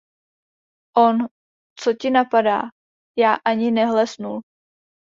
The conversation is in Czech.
On: Co ti napadá - já ani nehlesnul..